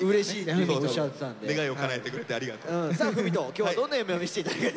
今日はどんな夢を見せていただけるんですか？